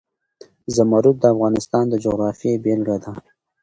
زمرد د افغانستان د جغرافیې بېلګه ده.